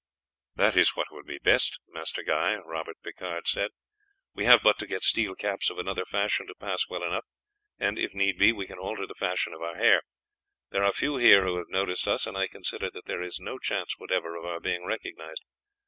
"That is what will be best, Master Guy," Robert Picard said. "We have but to get steel caps of another fashion to pass well enough, and if need be we can alter the fashion of our hair. There are few here who have noticed us, and I consider that there is no chance whatever of our being recognized.